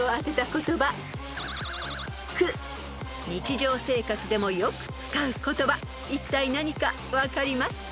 ［日常生活でもよく使う言葉いったい何か分かりますか？］